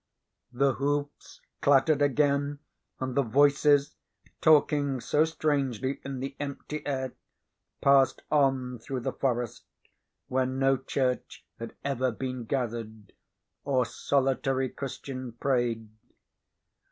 The hoofs clattered again; and the voices, talking so strangely in the empty air, passed on through the forest, where no church had ever been gathered or solitary Christian prayed.